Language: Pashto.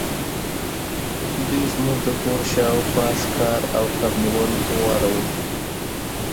زموږ د کور شاوخوا ښکار او کب نیول غوره وو